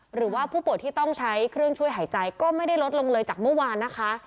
หรือว่าผู้ป่วยที่ต้องใช้เครื่องช่วยหายใจก็ไม่ได้ลดลงเลยจากเมื่อวานนะคะ